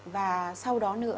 và sau đó nữa